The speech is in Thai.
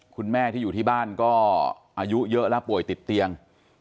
คุณแม่ที่อยู่ที่บ้านก็อายุเยอะแล้วป่วยติดเตียง